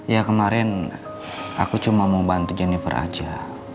ya kemarin aku cuma mau bantu jennifer aja